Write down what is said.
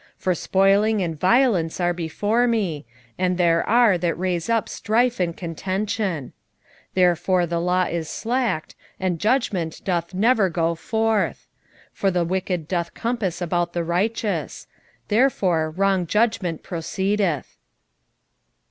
for spoiling and violence are before me: and there are that raise up strife and contention. 1:4 Therefore the law is slacked, and judgment doth never go forth: for the wicked doth compass about the righteous; therefore wrong judgment proceedeth.